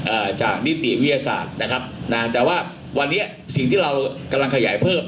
อ่าจากนิติวิทยาศาสตร์นะครับนะแต่ว่าวันนี้สิ่งที่เรากำลังขยายเพิ่ม